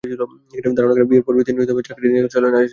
ধারণা করা হয়, বিয়ের পরপরই তিনি চাকরি নিয়ে চলে আসেন ভারতে।